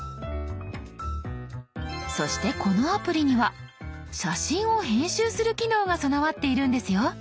そしてこのアプリには写真を編集する機能が備わっているんですよ。